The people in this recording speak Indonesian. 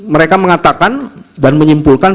mereka mengatakan dan menyimpulkan